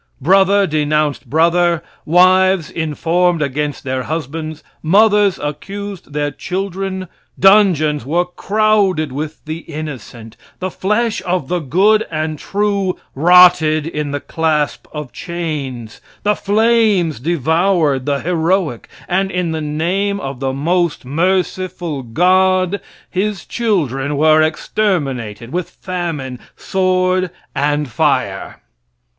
Brother denounced brother, wives informed against their husbands, mothers accused their children, dungeons were crowded with the innocent; the flesh of the good and true rotted in the clasp of chains, the flames devoured the heroic, and in the name of the most merciful God, his children were exterminated with famine, sword and fire.